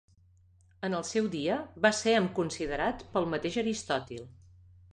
En el seu dia va ser amb considerat pel mateix Aristòtil.